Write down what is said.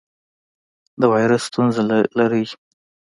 د وایرس ستونزه لرئ؟